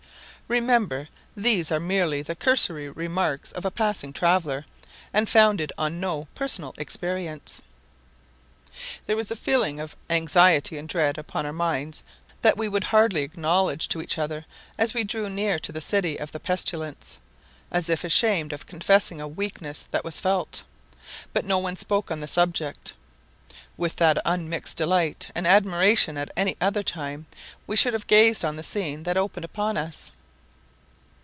Remember, these are merely the cursory remarks of a passing traveller, and founded on no personal experience. There was a feeling of anxiety and dread upon our minds that we would hardly acknowledge to each other as we drew near to the city of the pestilence, as if ashamed of confessing a weakness that was felt; but no one spoke on the subject. With what unmixed delight and admiration at any other time should we have gazed on the scene that opened upon us.